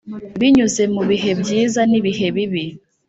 binyuze mu bihe byiza n'ibihe bibi